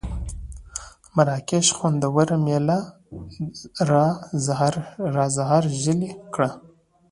مراکش خوندوره مېله را زهرژلې کړه.